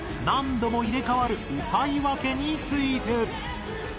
何度も入れ替わる歌い分けについて。